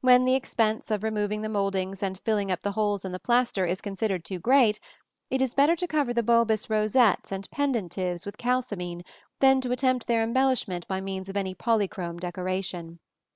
When the expense of removing the mouldings and filling up the holes in the plaster is considered too great, it is better to cover the bulbous rosettes and pendentives with kalsomine than to attempt their embellishment by means of any polychrome decoration.